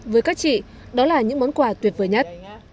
với các chị đó là những món quà tuyệt vời nhất